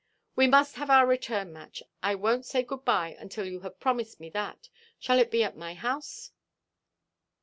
"We must have our return–match. I wonʼt say 'good–bye' until you have promised me that. Shall it be at my house?"